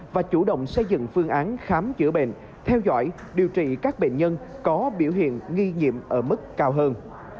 và chủ động xây dựng phương án khám chữa bệnh theo dõi điều trị các bệnh nhân có biểu hiện nghi nhiễm ở mức cao hơn